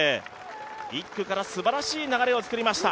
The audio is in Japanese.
１区からすばらしい流れを作りました。